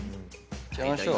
いっちゃいましょう。